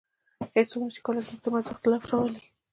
هیڅوک نسي کولای زموږ تر منځ اختلاف راولي